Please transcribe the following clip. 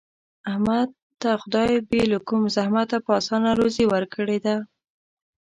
احمد ته خدای بې له کوم زحمته په اسانه روزي ورکړې ده.